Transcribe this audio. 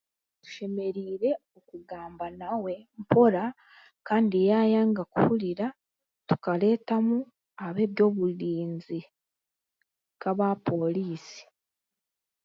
Tushemereire kugamba mpora nawe, kandi yaayanga kuhurira tukareetamu ab'eby'oburinzi nk'aba pooriisi.